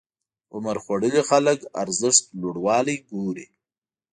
عمرخوړلي خلک ارزښت لوړوالی ګوري.